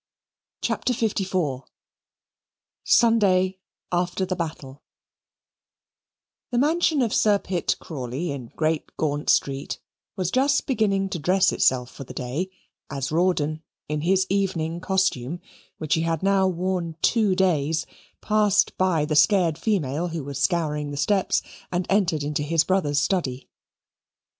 CHAPTER LIV Sunday After the Battle The mansion of Sir Pitt Crawley, in Great Gaunt Street, was just beginning to dress itself for the day, as Rawdon, in his evening costume, which he had now worn two days, passed by the scared female who was scouring the steps and entered into his brother's study.